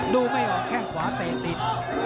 ดูไม่ออกแข้งขวาเตะติด